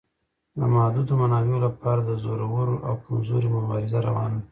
د محدودو منابعو لپاره د زورور او کمزوري مبارزه روانه ده.